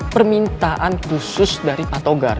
permintaan khusus dari patogar